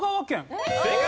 正解！